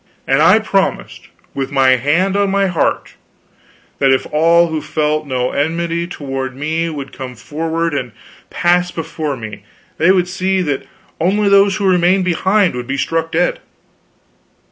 And I promised, with my hand on my heart, that if all who felt no enmity toward me would come forward and pass before me they should see that only those who remained behind would be struck dead.